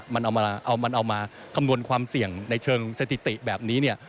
มันเอามาคำนวณความเสี่ยงในเชิงสถิติแบบนี้เนี่ย